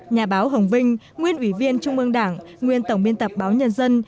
nhà báo hồng vinh nguyên ủy viên trung ương đảng nguyên tổng biên tập báo nhân dân